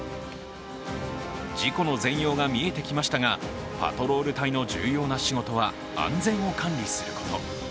事故の全容が見えてきましたがパトロール隊の重要な仕事は安全を管理すること。